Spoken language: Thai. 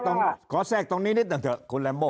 ทีนี้ขอแทรกตรงนี้นิดนึงเถอะคุณแลมโบ้ง